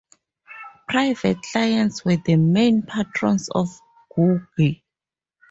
Private clients were the main patrons of Googie.